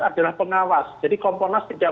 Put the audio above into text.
adalah pengawas jadi komponas tidak